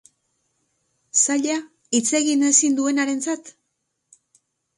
Zaila, hitz egin ezin duenarentzat?